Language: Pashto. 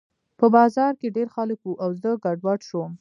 په بازار کې ډېر خلک وو او زه ګډوډ شوم